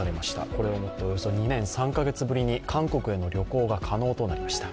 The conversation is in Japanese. これをもっておよそ２年３カ月ぶりに韓国への旅行が可能となりました。